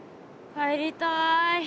帰りたい。